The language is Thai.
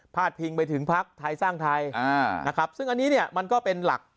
พาดพิงไปถึงภักดิ์ไทยสร้างไทยนะครับซึ่งอันนี้มันก็เป็นหลัก